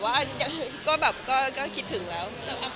สำหรับที่เลี้ยงที่นี่ก็ไปช่วยเลี้ยงเยอะแยะเลย